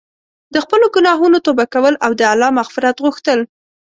د خپلو ګناهونو توبه کول او د الله مغفرت غوښتل.